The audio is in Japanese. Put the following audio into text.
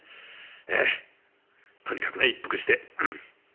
ええとにかくね一服してえ